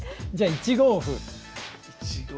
１五歩。